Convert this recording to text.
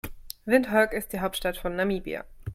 Windhoek ist die Hauptstadt von Namibia.